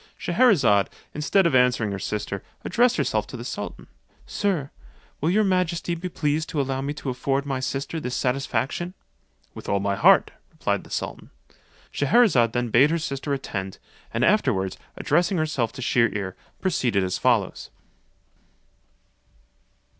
Scheherazade, instead of answering her sister, addressed herself to the sultan: "Sir, will your majesty be pleased to allow me to afford my sister this satisfaction?" "With all my heart," replied the sultan. Scheherazade then bade her sister attend, and afterwards, addressing herself to Shier ear, proceeded as follows.